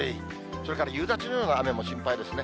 それから夕立のような雨も心配ですね。